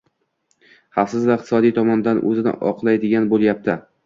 xavfsiz va iqtisodiy tomondan o‘zini oqlaydigan» bo‘lyapti?